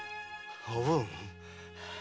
おぶん。